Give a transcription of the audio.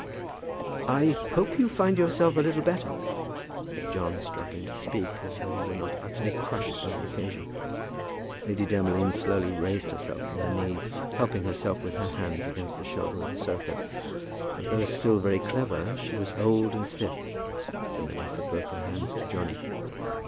"I hope you find yourself a little better," said John, struggling to speak, as though he were not utterly crushed by the occasion. Lady Demolines slowly raised herself from her knees, helping herself with her hands against the shoulder of the sofa, for though still very clever, she was old and stiff, and then offered both her hands to Johnny.